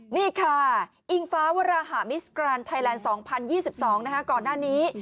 นี่ค่ะอิงฟ้าวราหามิสกรานไทยแลนด์๒๐๒๒ก่อนหน้านี้